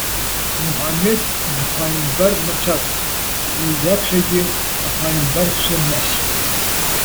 Муҳаммед, дԥааимбар мацароуп. Уи иаԥхьагьы аԥааимбарцәа мҩасит.